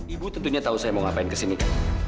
ibu tentunya tahu saya mau ngapain ke sini kan